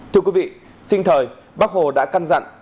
thưa quý vị sinh thời bác hồ đã căn dặn